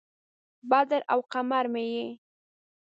بدر او قمر مې یې